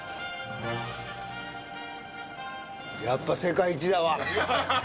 やっぱ世界一だわ。